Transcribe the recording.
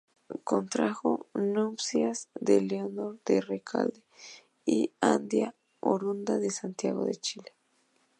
Contrajo nupcias con Leonor de Recalde y Andía, oriunda de Santiago de Chile.